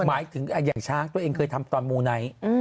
หมายถึงอย่างช้างตัวเองเคยทำตอนมูไนท์